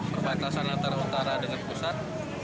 perbatasan antara utara dengan pusat